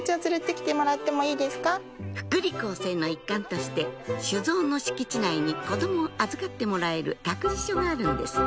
福利厚生の一環として酒造の敷地内に子どもを預かってもらえる託児所があるんです